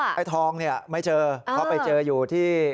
ไอ้ทองไม่เจอเขาไปเจออยู่ที่